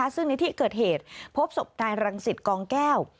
ซึ่งในที่เกิดเหตุพบศพนายรังสิตกองแก้ว